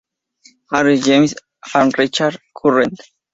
Harris, James R. and Richard S. Current.